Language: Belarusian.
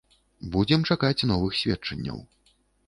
Будзем чакаць новых сведчанняў.